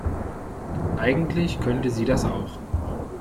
Eigentlich könnte sie das auch.